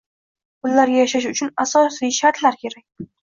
Ularga yashash uchun asosiy shartlar kerak